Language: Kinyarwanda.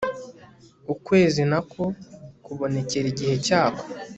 ukwezi na ko, kubonekera igihe cyako